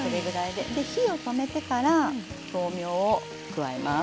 で火を止めてから豆苗を加えます。